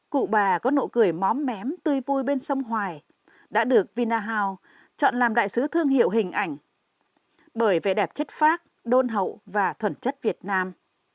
cụ bà có nội cười móm mém tươi vui bên sông hoài đã được vinahow chọn làm đại sứ thương hiệu hình ảnh bởi vẻ đẹp chất pháp đôn hậu và thuẩn chất việt nam